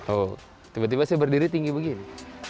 oh tiba tiba saya berdiri tinggi begini